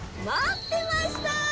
待ってました！